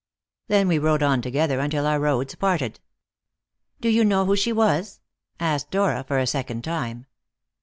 Then we rode on together until our roads parted." "Do you know who she was?" asked Dora for a second time.